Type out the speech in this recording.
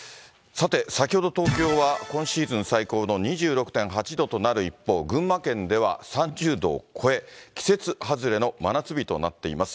さて、先ほど東京は今シーズン最高の２６．８度となる一方、群馬県では３０度を超え、季節外れの真夏日となっています。